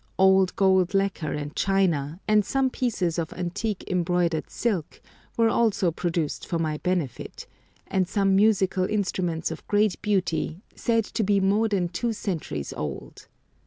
Old gold lacquer and china, and some pieces of antique embroidered silk, were also produced for my benefit, and some musical instruments of great beauty, said to be more than two centuries old.